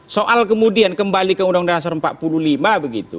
soal kemudian kembali ke undang undang seribu sembilan ratus empat puluh lima begitu